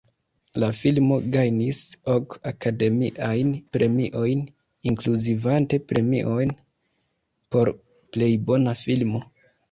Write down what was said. La filmo gajnis ok Akademiajn Premiojn, inkluzivante premion por plej bona filmo.